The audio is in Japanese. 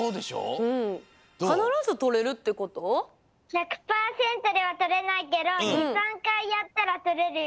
１００パーセントではとれないけど２３かいやったらとれるよ。